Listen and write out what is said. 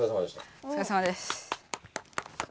おつかれさまです。